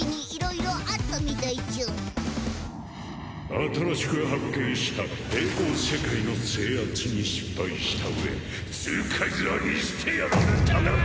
新しく発見した並行世界の制圧に失敗した上ツーカイザーにしてやられただと！？